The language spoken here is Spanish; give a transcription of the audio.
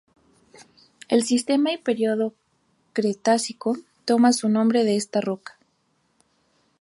El sistema y periodo Cretácico toma su nombre de esta roca.